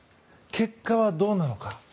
結果はどうなのか。